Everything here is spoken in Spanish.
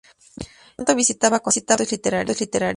Mientras tanto visitaba conciertos literarios.